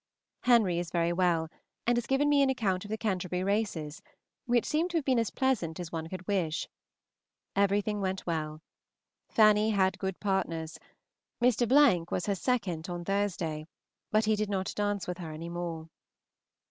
Henry is very well, and has given me an account of the Canterbury races, which seem to have been as pleasant as one could wish. Everything went well. Fanny had good partners, Mr. was her second on Thursday, but he did not dance with her any more.